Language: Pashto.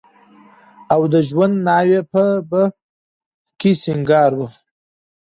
او د ژوند ناوې به په کې سينګار وه.